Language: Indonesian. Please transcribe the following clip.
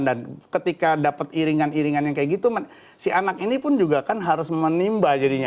dan ketika dapat iringan iringan yang kayak gitu si anak ini pun juga kan harus menimba jadinya